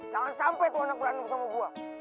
jangan sampai tuh anak berantem sama gue